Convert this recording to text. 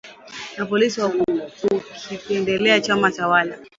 na polisi kwa kukipendelea chama tawala